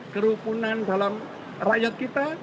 kerupunan dalam rakyat kita